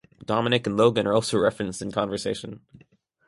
Dominic and Logan are also referenced in conversation.